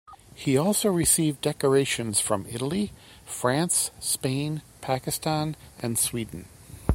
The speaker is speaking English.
He also received decorations from Italy, France, Spain, Pakistan and Sweden.